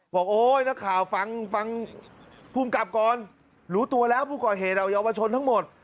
บอกโอ้ยนักข่าวฟังฟังภูมิกรับก่อนหรูตัวแล้วผู้ก่อเหตุเอาอยู่เอามาชนทั้งหมด